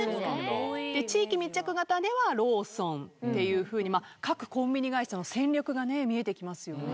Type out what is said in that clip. で地域密着型ではローソンっていうふうに各コンビニ会社の戦略が見えてきますよね。